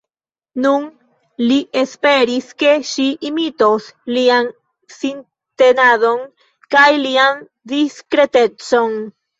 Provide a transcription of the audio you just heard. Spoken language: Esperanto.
Nun li esperis, ke ŝi imitos lian sintenadon kaj lian diskretecon.